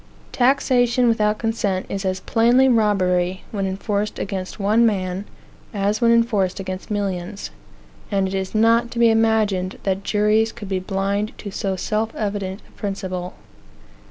Taxation without consent is as plainly robbery, when enforcers against one man, as when enforced against millions; and it is not to be imagined that juries could be blind to so self evident a principle.